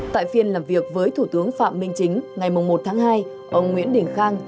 tại phiên làm việc với thủ tướng phạm minh chính ngày một tháng hai ông nguyễn đình khang